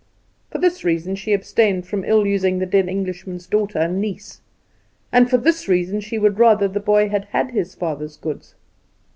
For this reason she abstained from ill using the dead Englishman's daughter and niece, and for this reason she would rather the boy had had his father's goods.